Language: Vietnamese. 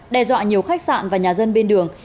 đe dọa nhiều khách sạn và nhà dân bên đường